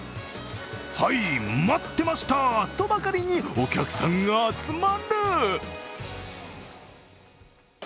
はい、待ってましたとばかりに、お客さんが集まる。